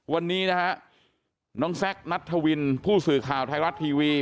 วันนี้นะฮะน้องแซคนัทธวินผู้สื่อข่าวไทยรัฐทีวี